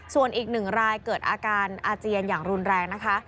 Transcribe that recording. ส่วนอีกหนึ่งรายเกิดอาการอาเจียนอย่างรุนแรงนะคะ